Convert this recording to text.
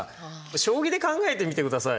将棋で考えてみてください。